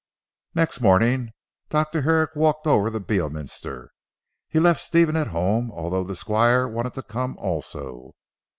Next morning Dr. Herrick walked over to Beorminster. He left Stephen at home although the Squire wanted to come also.